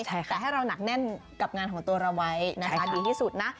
แต่ให้เราหนักแน่นกับงานของตัวเราไว้นะคะดีที่สุดนะ